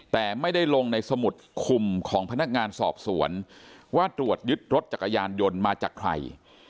แต่ไม่ได้ลงในสมุดคุมของพนักงานสอบสวนว่าตรวจยึดรถจักรยานยนต์มาจากใคร